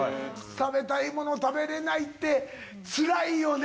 食べたいもの食べれないってつらいよね。